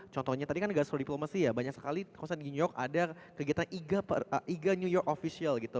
contohnya tadi kan gas roda diplomasi ya banyak sekali kursen di new york ada kegiatan iga new york official gitu